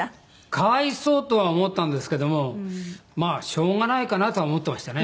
可哀想とは思ったんですけどもまあしょうがないかなとは思ってましたね